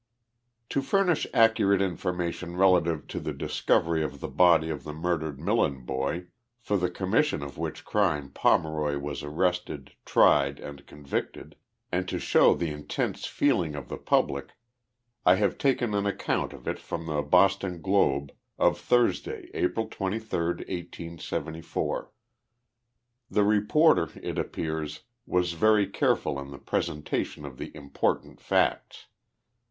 To furnish accurate information relative to the discovery of the body of the murdered Milieu boy, for the commission of which crime Pomeroy was arrested, tried and convicted ; and to show the intense feeling of the public, I have taken an account of it from the Boston Globe of Thursday, April 23, 1874. • The re porter, it appears, was very careful in the presentation of the im portant facts.